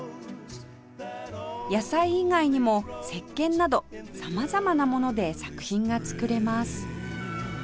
野菜以外にも石鹸など様々なもので作品が作れます